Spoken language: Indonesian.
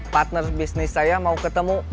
partner bisnis saya mau ketemu